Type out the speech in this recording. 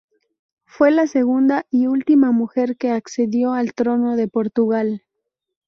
Fue la segunda y última mujer que ascendió al trono de Portugal.